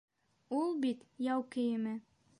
Ул бит - яу кейеме!